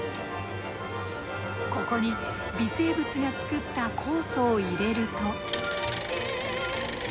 ここに微生物が作った酵素を入れると。